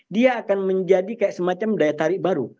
dia akan menjadi kayak semacam daya tarik baru